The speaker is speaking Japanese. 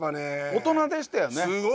大人でしたよね。